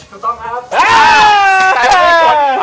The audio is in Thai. ถูกต้องครับ